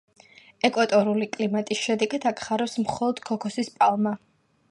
ეკვატორული კლიმატის შედეგად, აქ ხარობს მხოლოდ ქოქოსის პალმა.